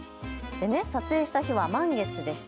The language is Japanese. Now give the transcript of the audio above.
撮影した日は満月でした。